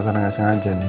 karena gak sengaja nih